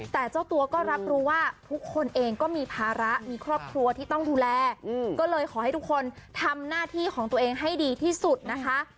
แต่เจ้าตัวก็รับรู้ว่าทุกคนเองก็มีภาระมีครอบครัวที่ต้องดูแลก็เลยขอให้ทุกคนทำหน้าที่ของตัวเองให้ดีที่สุดนะคะ